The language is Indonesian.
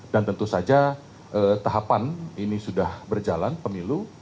dan tentu saja tahapan ini sudah berjalan pemilu